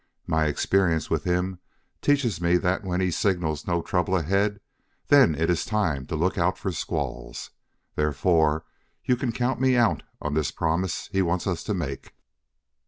My experience with him teaches me that when he signals no trouble ahead then is the time to look out for squalls. Therefore, you can count me out on this promise he wants us to make."